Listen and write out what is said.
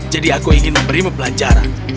jadi aku ingin memberi mempelajaran